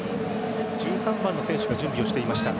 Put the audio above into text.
１３番の選手が準備をしていました。